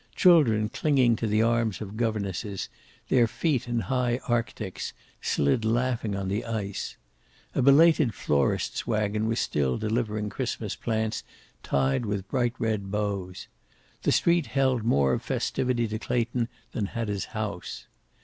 Children clinging to the arms of governesses, their feet in high arctics, slid laughing on the ice. A belated florist's wagon was still delivering Christmas plants tied with bright red bows. The street held more of festivity to Clayton than had his house.